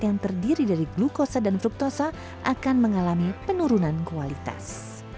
yang terdiri dari glukosa dan fruktosa akan mengalami penurunan kualitas